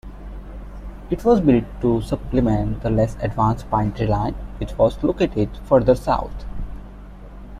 It was built to supplement the less-advanced Pinetree Line, which was located further south.